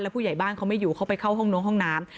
ผู้ใหญ่บ้านเขาไม่อยู่เขาไปเข้าห้องน้องห้องน้ำ